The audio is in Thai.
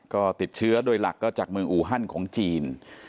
ก็ติดเชื้อโดยหลักก็จากเมืองอูฮันของจีน